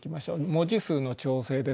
文字数の調整です。